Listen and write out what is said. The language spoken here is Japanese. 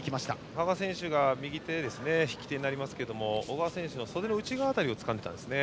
羽賀選手が右手、引き手になりますが小川選手の袖の内側辺りをつかんでいました。